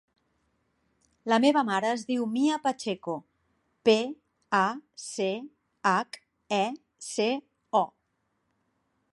La meva mare es diu Mia Pacheco: pe, a, ce, hac, e, ce, o.